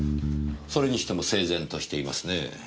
それにしても整然としていますねぇ。